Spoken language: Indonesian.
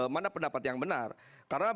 mana pendapat yang benar karena